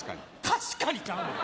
確かにちゃうねん！